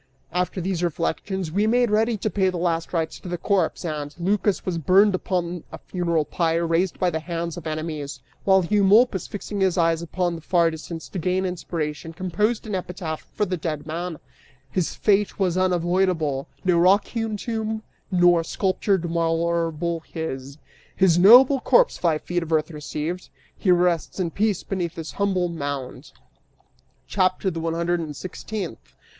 } (After these reflections we made ready to pay the last rites to the corpse,) and Lycas was burned upon a funeral pyre raised by the hands of enemies, while Eumolpus, fixing his eyes upon the far distance to gain inspiration, composed an epitaph for the dead man: HIS FATE WAS UNAVOIDABLE NO ROCK HEWN TOMB NOR SCULPTURED MARBLE HIS, HIS NOBLE CORPSE FIVE FEET OF EARTH RECEIVED, HE RESTS IN PEACE BENEATH THIS HUMBLE MOUND. CHAPTER THE ONE HUNDRED AND SIXTEENTH.